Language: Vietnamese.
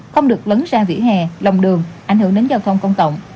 không được lấn ra vỉa hè lòng đường ảnh hưởng đến giao thông công cộng